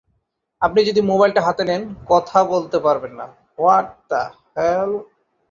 আপনি যদি মোবাইলটা হাতে নেন, কথা বলতে পারবেন না।